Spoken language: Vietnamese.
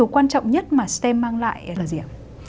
quan trọng nhất mà stem mang lại là gì ạ